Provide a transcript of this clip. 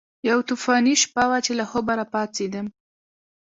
یوه طوفاني شپه وه چې له خوبه راپاڅېدم.